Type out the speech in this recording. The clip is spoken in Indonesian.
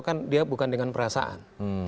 karena dia bukan dengan perasaan